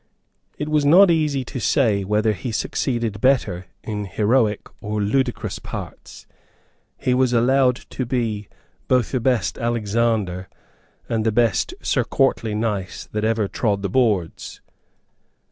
It was not easy to say whether he succeeded better in heroic or in ludicrous parts. He was allowed to be both the best Alexander and the best Sir Courtly Nice that ever trod the boards.